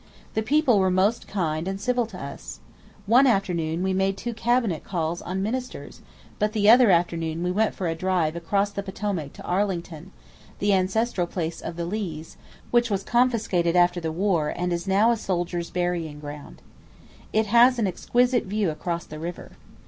The people were most kind and civil to us. One afternoon we made two "cabinet" calls on ministers, but the other afternoon we went for a drive across the Potomac to Arlington, the ancestral place of the Lees, which was confiscated after the war and is now a soldier's burying ground. It has an exquisite view across the river.